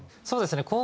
そうですね。